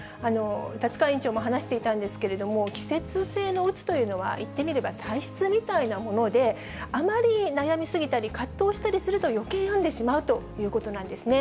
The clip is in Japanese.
立川院長も話していたんですけれども、季節性のうつというのは、いってみれば体質みたいなもので、あまり悩みすぎたり、葛藤したりするとよけい病んでしまうということなんですね。